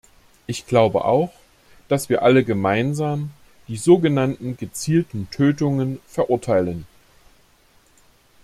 Ich glaube auch, dass wir alle gemeinsam die so genannten gezielten Tötungen verurteilen.